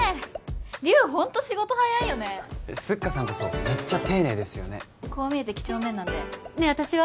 龍ホント仕事早いよねスッカさんこそめっちゃ丁寧ですよねこう見えて几帳面なんでねえ私は？